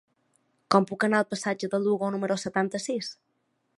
Com puc anar al passatge de Lugo número setanta-sis?